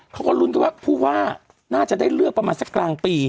เขาก็ลุ้นกันว่าผู้ว่าน่าจะได้เลือกประมาณสักกลางปี